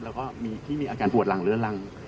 แล้วก็ที่มีอาการปวดหลังเรื้อรัง